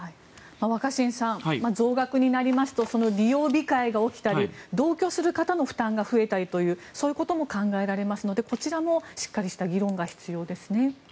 若新さん増額になりますとその利用控えが起きたり同居する人の負担が増えたりそういうことも考えられますのでこちらもしっかりした議論が必要ですね。